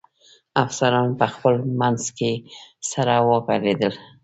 افسران په خپل منځ کې سره و غږېدل.